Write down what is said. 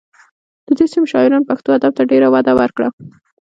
د دې سیمې شاعرانو پښتو ادب ته ډېره وده ورکړه